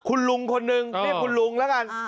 คุณลุงคนนึงเรียกคุณลุงแล้วกัน